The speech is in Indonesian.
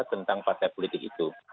tentang partai politik itu